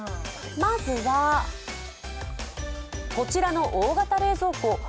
まずは、こちらの大型冷蔵庫。